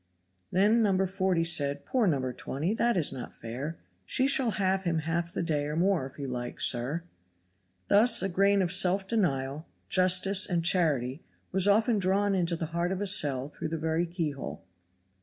Then No. 140 said, "Poor No. 120! that is not fair; she shall have him half the day or more if you like, sir." Thus a grain of self denial, justice and charity was often drawn into the heart of a cell through the very keyhole.